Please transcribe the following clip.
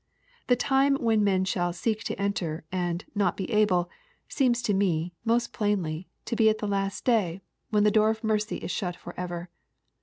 The time when men shall " seek to enter," and *' not be able," seems to me, most plainly, to be at the last day, when the door of mercy is shut for ever.